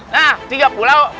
nah tiga pulau